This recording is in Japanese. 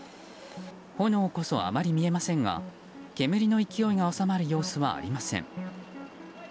炎こそ余り見えませんが煙の勢いが収まる様子はありません。